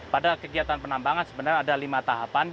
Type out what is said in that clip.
pada kegiatan penambangan sebenarnya ada lima tahapan